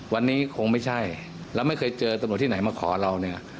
วันนี้คงไม่ใช่แล้วไม่เคยเจอตำรวจที่ไหนมาขอเราเนี่ย